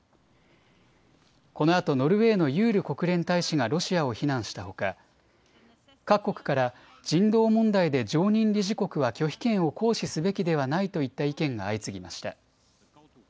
このあとノルウェーのユール国連大使がロシアを非難したほか各国から人道問題で常任理事国は拒否権を行使すべきではないといった意見が相次ぎました。